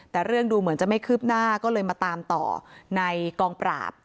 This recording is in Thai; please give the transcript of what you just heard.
แต่เรื่องดูเหมือนจะไม่คืบหน้าก็เลยมาตามต่อในกองปราบ